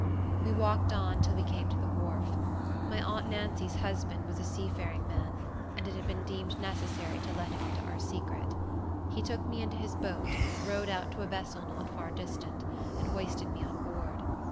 We walked on till we came to the wharf. My aunt Nancy's husband was a seafaring man, and it had been deemed necessary to let him into our secret. He took me into his boat, rowed out to a vessel not far distant, and hoisted me on board.